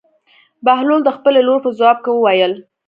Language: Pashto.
بهلول د خپلې لور په ځواب کې وویل.